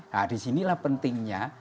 nah disinilah pentingnya